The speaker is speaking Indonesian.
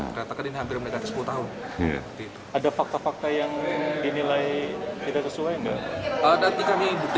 ada fakta fakta yang dinilai tidak sesuai enggak ada tiga tiga